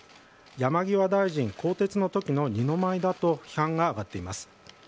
山際大臣更迭の時の二の舞だと批判が上がっています。